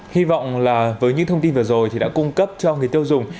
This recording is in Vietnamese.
hy vọng là với những thông tin vừa rồi thì đã cung cấp cho người tiêu dùng